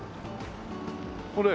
これ。